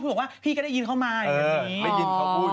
พี่บอกว่าพี่ก็ได้ยินเข้ามาอย่างนี้